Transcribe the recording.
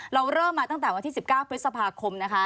เราเริ่มมาตั้งแต่วันที่๑๙พฤษภาคมนะคะ